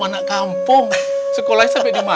anak kampung sekolah